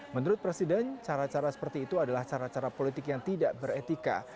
menurut presiden cara cara seperti itu adalah cara cara politik yang tidak beretika